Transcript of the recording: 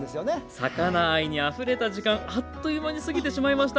魚愛にあふれた時間あっという間に過ぎてしまいました。